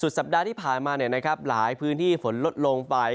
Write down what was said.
สัปดาห์ที่ผ่านมาหลายพื้นที่ฝนลดลงไป